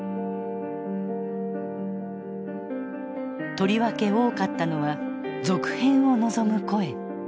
とりわけ多かったのは続編を望む声。